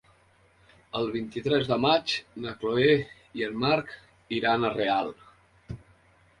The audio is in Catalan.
El vint-i-tres de maig na Chloé i en Marc iran a Real.